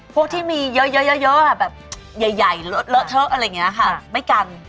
พวกที่มีเยอะเยอะเยอะเยอะแบบใหญ่ใหญ่เลอะเลอะเทอะอะไรอย่างเงี้ยค่ะไม่กัน